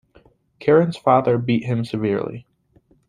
Caron's father beat him severely.